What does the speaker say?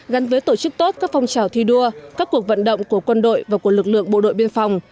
gắn với tổ chức tốt các phong trào thi đua các cuộc vận động của quân đội và của lực lượng bộ đội biên phòng